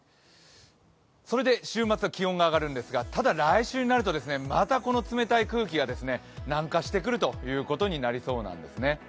それで週末は気温が上がるんですが、ただ来週になるとまたこの冷たい空気が南下してくるということになりそうなんですね。